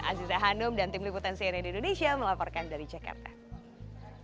aziza hanum dan tim liputan cnn indonesia melaporkan dari jakarta